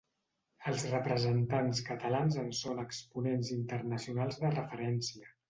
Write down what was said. Els representants catalans en són exponents internacionals de referència.